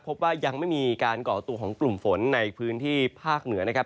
พบว่ายังไม่มีการก่อตัวของกลุ่มฝนในพื้นที่ภาคเหนือนะครับ